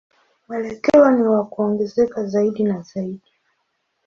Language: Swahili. Mwelekeo ni wa kuongezeka zaidi na zaidi.